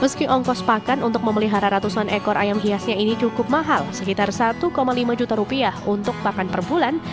meski ongkos pakan untuk memelihara ratusan ekor ayam hiasnya ini cukup mahal sekitar satu lima juta rupiah untuk pakan per bulan